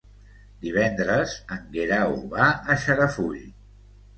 Divendres en Guerau va a Xarafull.